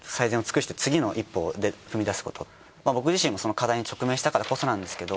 僕自身も課題に直面したからこそなんですけど。